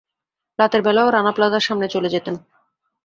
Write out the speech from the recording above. রাতের বেলায়ও রানা প্লাজার সামনে চলে যেতেন।